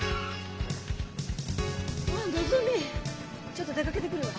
ちょっと出かけてくるわ。